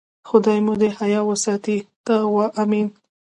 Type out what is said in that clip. خدای مو دې حیا وساتي، ته وا آمین.